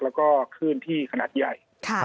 แล้วก็คลื่นที่ขนาดใหญ่